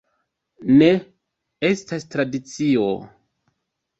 Ne, estas tradicio...